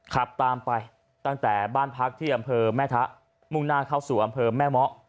ขับตามไปตั้งแต่บ้านพักที่อำเภอแม่ทะมุ่งหน้าเข้าสู่อำเภอแม่เมาะ